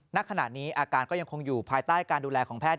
ณขณะนี้อาการก็ยังคงอยู่ภายใต้การดูแลของแพทย์